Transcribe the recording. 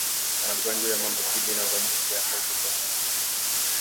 Magonjwa ya maambukizi na uvamizi ya ngozi kwa jumla